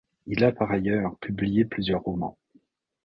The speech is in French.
Il a par ailleurs publié plusieurs romans.